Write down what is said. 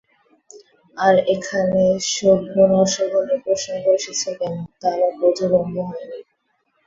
আর এখনে শোভন-অশোভনের প্রসঙ্গ এসেছে কেন, তা আমার বোধগম্য হয়নি।